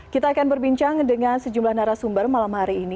kita akan berbincang dengan sejumlah narasumber malam hari ini